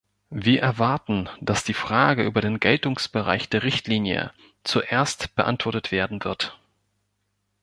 Wir erwarten, dass die Frage über den Geltungsbereich der Richtlinie zuerst beantwortet werden wird.